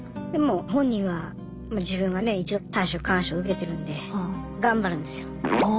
でも本人は自分がね一度退職勧奨受けてるんで頑張るんですよ。